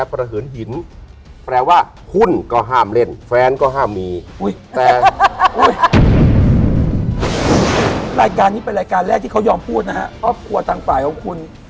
เพราะควรทางฝ่ายของคุณ